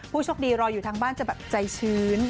โชคดีรออยู่ทางบ้านจะแบบใจชื้น